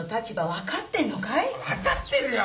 ・分かってるよ。